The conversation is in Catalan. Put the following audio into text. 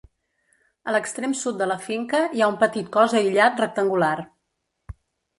A l'extrem sud de la finca hi ha un petit cos aïllat rectangular.